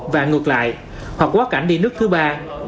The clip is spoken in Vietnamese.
và ngược lại hoặc quá cảnh đi nước thứ ba